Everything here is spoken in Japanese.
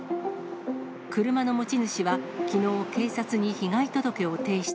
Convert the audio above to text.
車の持ち主はきのう、警察に被害届を提出。